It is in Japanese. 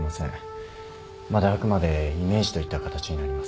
まだあくまでイメージといった形になります。